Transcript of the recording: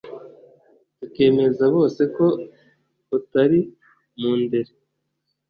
tukemeza bose ko utari mundere